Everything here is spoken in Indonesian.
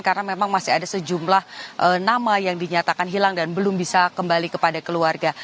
karena memang masih ada sejumlah nama yang dinyatakan hilang dan belum bisa kembali kepada keluarga